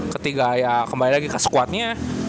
ketiga ya kembali lagi ke squadnya